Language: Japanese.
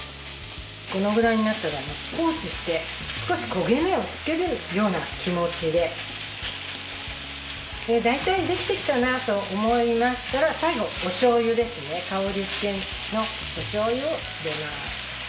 このぐらいになったら放置して少し焦げ目をつけるよう気持ちで大体できてきたなと思いましたら最後、香り付けのしょうゆを入れます。